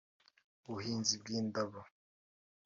ubuhinzi bw’indabo